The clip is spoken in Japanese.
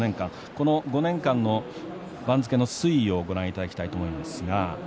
この５年間の番付の推移をご覧いただきたいと思いますが。